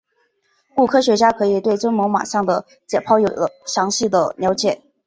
故科学家可以对真猛玛象的解剖有详细的了解。